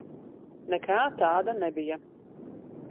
Nekā tāda nebija.